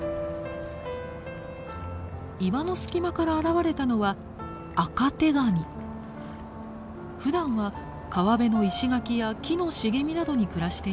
岩の隙間から現れたのはふだんは川辺の石垣や木の茂みなどに暮らしています。